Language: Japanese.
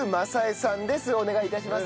お願い致します。